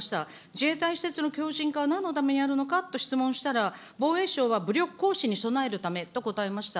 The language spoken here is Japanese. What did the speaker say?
自衛隊施設の強じん化はなんのためにやるのかって質問したら、防衛省は武力行使に備えるためと答えました。